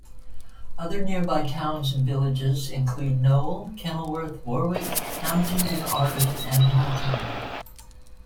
Other nearby towns and villages include Knowle, Kenilworth, Warwick, Hampton-in-Arden and Hatton.